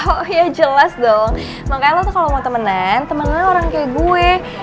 oh ya jelas dong makanya lo tuh kalau mau temenan temennya orang kayak gue